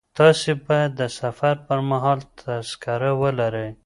تاسي باید د سفر پر مهال تذکره ولرئ.